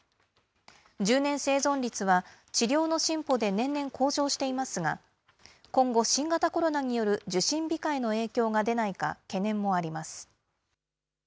１０年生存率は、治療の進歩で年々向上していますが、今後、新型コロナによる受診控えの影響が出ないか、懸念もあります。